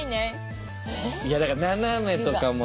いやだから斜めとかも。